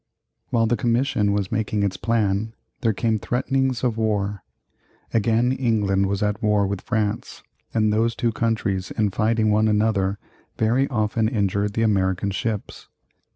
While the commission was making its plan, there came threatenings of war. Again England was at war with France, and those two countries in fighting one another very often injured the American ships.